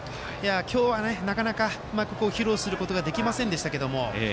今日は、なかなか披露することができませんでしたけど